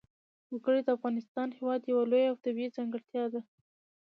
وګړي د افغانستان هېواد یوه لویه او طبیعي ځانګړتیا ده.